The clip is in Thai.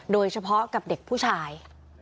โดยเฉพาะกับเด็กผู้ชาย